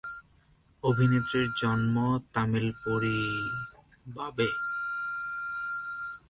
অভিনেত্রীর জন্ম তামিল পরিবাবে।